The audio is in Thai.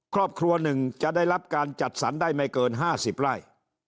ครอบครัวหนึ่งจะได้รับการจัดสรรได้ไม่เกิน๕๐ไร่